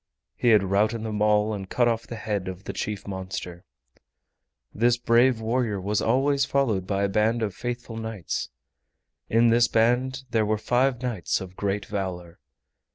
He had routed them all and cut off the head of the chief monster. This brave warrior was always followed by a band of faithful knights. In this band there were five knights of great valor.